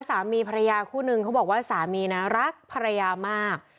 สามีภรรยาคู่นึงเขาบอกว่าสามีนะรักภรรยามาก